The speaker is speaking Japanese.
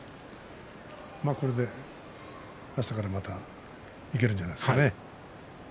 これで明日からまたいけるんじゃないですかね。